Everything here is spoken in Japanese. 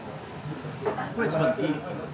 これ一番いい。